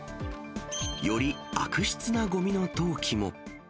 より悪質なごみの投棄も。